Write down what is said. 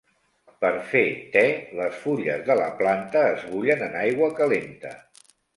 Per fer te, les fulles de la planta es bullen en aigua calenta.